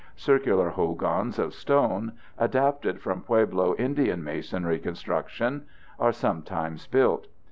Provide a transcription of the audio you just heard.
Circular hogans of stone, adapted from Pueblo Indian masonry construction, are sometimes built.